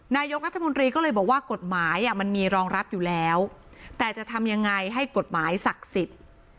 นายกรัฐมนตรีก็เลยบอกว่ากฎหมายมันมีรองรับอยู่แล้วแต่จะทำยังไงให้กฎหมายศักดิ์สิทธิ์